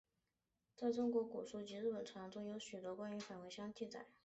在中国古书及日本传说当中有许多关于返魂香的记载。